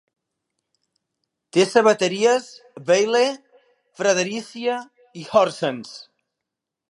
Té sabateries a Vejle, Fredericia i Horsens.